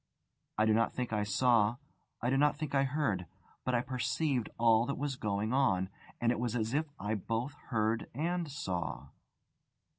I do not think I saw, I do not think I heard; but I perceived all that was going on, and it was as if I both heard and saw.